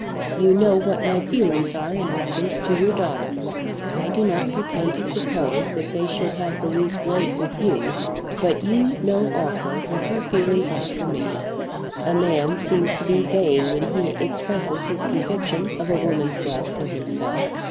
You know what my feelings are in reference to your daughter. I do not pretend to suppose that they should have the least weight with you. But you know also what her feelings are for me. A man seems to be vain when he expresses his conviction of a woman's love for himself.